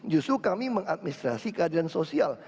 justru kami mengadministrasi keadilan sosial